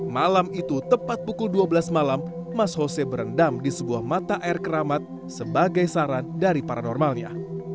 malam itu tepat pukul dua belas malam mas hose berendam di sebuah mata air keramat sebagai saran dari para normalnya